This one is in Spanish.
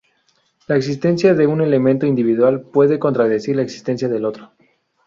La existencia de un elemento individual puede contradecir la existencia de otro.